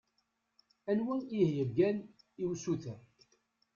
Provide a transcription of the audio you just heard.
Anwa i yeheggan i usuter